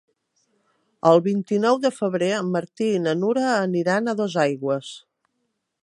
El vint-i-nou de febrer en Martí i na Nura aniran a Dosaigües.